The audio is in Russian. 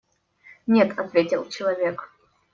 Нет, – ответил человек.